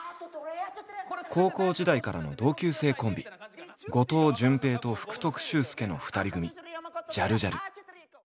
高校時代からの同級生コンビ後藤淳平と福徳秀介の二人組ジャルジャル。